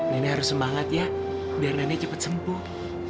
nenek harus semangat ya biar nenek cepet sembuh